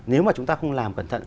nếu mà chúng ta không làm cẩn thận